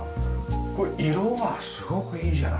これ色がすごくいいじゃない。